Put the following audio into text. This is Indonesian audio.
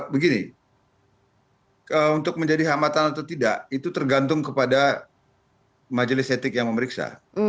begini untuk menjadi hambatan atau tidak itu tergantung kepada majelis etik yang memeriksa